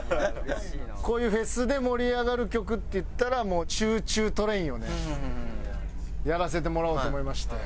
こういうフェスで盛り上がる曲っていったらもう『ＣｈｏｏＣｈｏｏＴＲＡＩＮ』をねやらせてもらおうと思いまして。